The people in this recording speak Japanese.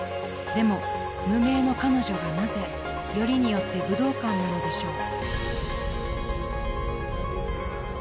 ［でも無名の彼女がなぜよりによって武道館なのでしょう？］